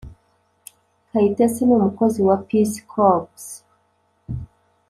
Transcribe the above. kayitesi ni umukozi wa peace corps;